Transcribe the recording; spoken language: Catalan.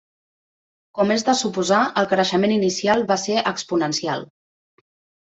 Com és de suposar, el creixement inicial va ser exponencial.